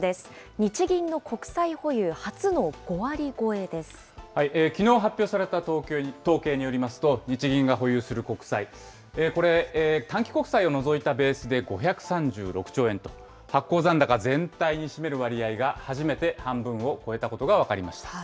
日銀の国債保有、初の５割超えできのう発表された統計によりますと、日銀が保有する国債、これ、短期国債を除いたベースで５３６兆円と、発行残高全体に占める割合が初めて半分を超えたことが分かりました。